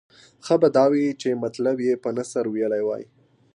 ښه به دا وای چې مطلب یې په نثر ویلی وای.